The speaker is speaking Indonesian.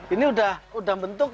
ini udah udah bentuk ya